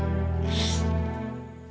aku sudah mencintai kamila